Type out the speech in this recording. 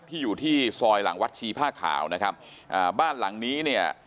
อยู่ที่ซอยหลังวัดชีผ้าขาวนะครับอ่าบ้านหลังนี้เนี่ย